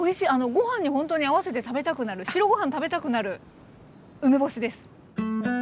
ご飯にほんとに合わせて食べたくなる白ご飯食べたくなる梅干しです。